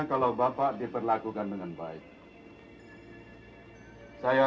sampai jumpa di video selanjutnya